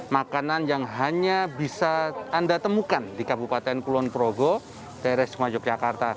makanan yang hanya bisa anda temukan di kabupaten kulon progo daerah isma yogyakarta